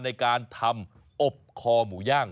ในการทำอบคอหมูย่าง